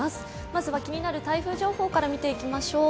まずは気になる台風情報から見ていきましょう。